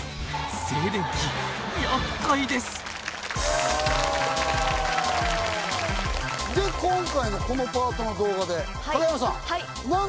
静電気厄介ですで今回のこのパートの動画で影山さん。